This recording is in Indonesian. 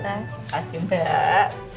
terima kasih mbak